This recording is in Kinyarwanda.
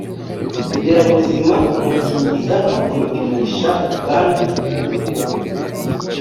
nderabuzima kumukingiza no kumipimisha ubwandu bw agakoko